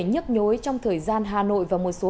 nhức nhối trong thời gian hà nội và một số